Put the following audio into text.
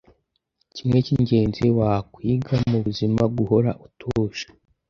kimwe kingezi wa kwiga mubuzima guhora utuje